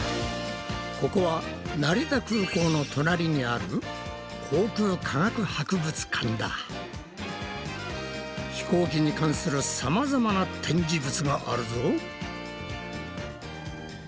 ここは成田空港の隣にある飛行機に関するさまざまな展示物があるぞ。